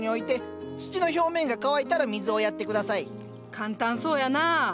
簡単そうやな。